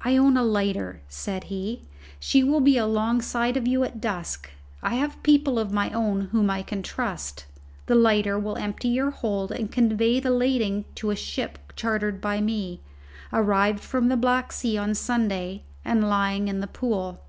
"I own a lighter," said he: "she will be alongside of you at dusk. I have people of my own whom I can trust. The lighter will empty your hold and convey the lading to a ship chartered by me, arrived from the Black Sea on Sunday and lying in the Pool.